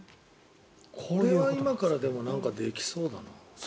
これは今からでもできそうだな。